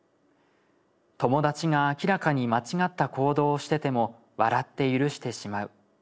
友達が明らかに間違った行動をしてても笑って許してしまう。